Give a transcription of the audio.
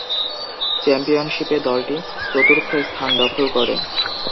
চ্যাম্পিয়নশীপে দলটি চতুর্থ স্থান দখল করে।